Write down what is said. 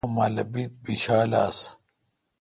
تبا مالہ ببیت بیشال آآس